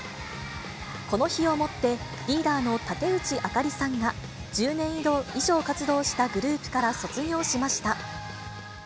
この日をもって、リーダーの竹内朱莉さんが１０年以上活動したグループから卒業しました。